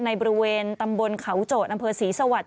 ในบริเวณตำบลเขาโจทย์อำเภอศรีสวัสดิ